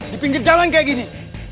di pinggir jalan kayak gini